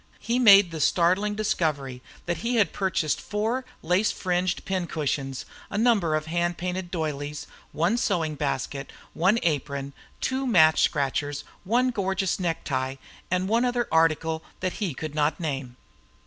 He made the startling discovery that he had purchased four lace fringed pin cushions, a number of hand painted doilies, one sewing basket, one apron, two match scratchers, one gorgeous necktie, and one other article that he could not name.